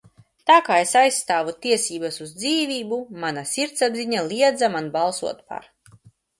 "Tā kā es aizstāvu tiesības uz dzīvību, mana sirdsapziņa liedza man balsot "par"."